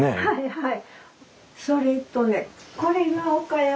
はい。